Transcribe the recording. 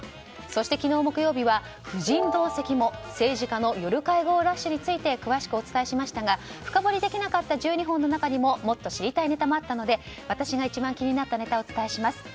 そして昨日木曜日は夫人同席も政治家の夜会合ラッシュについて詳しくお伝えしましたが深掘りできなかった１２本の中にももっと知りたいネタもあったので私が一番気になったネタをお伝えします。